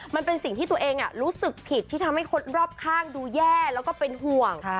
มันเป็นสิ่งที่ตัวเองรู้สึกผิดที่ทำให้คนรอบข้างดูแย่แล้วก็เป็นห่วง